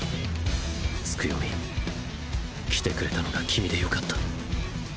ツクヨミ来てくれたのが君で良かった。